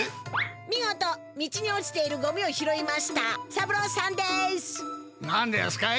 見事道におちているごみを拾いました三郎さんです！